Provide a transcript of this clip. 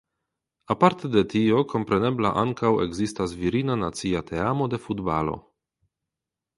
Aparte de tio komprenebla ankaŭ ekzistas virina nacia teamo de futbalo.